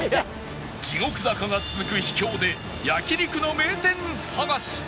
地獄坂が続く秘境で焼肉の名店探し